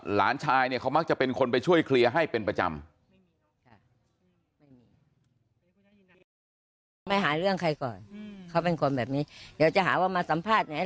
หลานชายเนี่ยเขามักจะเป็นคนไปช่วยเคลียร์ให้เป็นประจำ